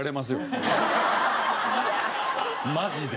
マジで。